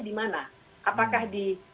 di mana apakah di